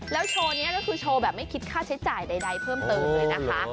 แล้วโชว์นี้ก็คือโชว์แบบไม่คิดค่าใช้จ่ายใดเพิ่มเติมเลยนะคะ